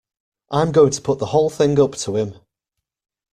I'm going to put the whole thing up to him.